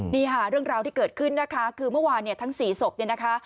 นี่ค่ะเรื่องราวที่เกิดขึ้นนะคะคือเมื่อวานเนี่ยทั้ง๔ศพเนี่ยนะคะ